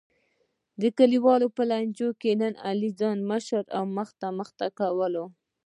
د کلیوالو په لانجه کې نن علی ځان مشر او مخته مخته کولو.